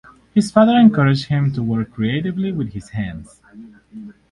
His father encouraged him to work creatively with his hands.